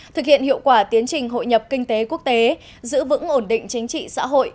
thực hiện hiệu quả tiến trình hội nhập kinh tế quốc tế giữ vững ổn định chính trị xã hội